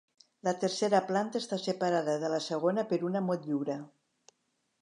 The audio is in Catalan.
La tercera planta està separada de la segona per una motllura.